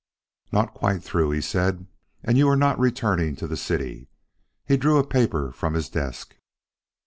"Not quite through," he said; "and you are not returning to the city." He drew a paper from his desk.